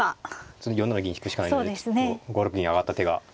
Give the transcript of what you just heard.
次４七銀引くしかないのでちょっと５六銀上がった手が。